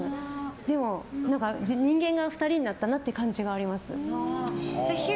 でも、人間が２人になったなという感じがあります。